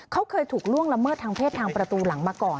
เขาเคยถูกล่วงละเมิดทางเพศทางประตูหลังมาก่อน